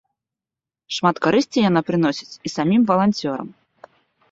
Шмат карысці яна прыносіць і самім валанцёрам!